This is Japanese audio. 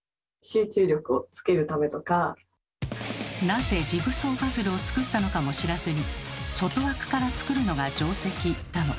なぜジグソーパズルを作ったのかも知らずに「外枠から作るのが定石」だの。